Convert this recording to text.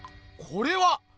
これは！